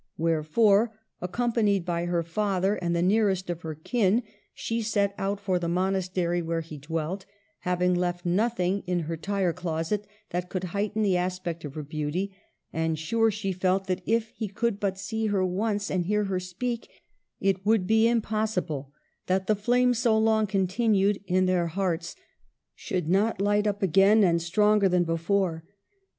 Wherefore, accompanied by her father and the nearest of her kin, she set out for the monastery where he dwelt, having left nothing in her tire closet that could heighten the aspect of her beauty ; and sure she felt that if he could but see her once and hear her speak, it would be impossible that the flame, so long continued in their hearts, should not light up again, and stronger than before.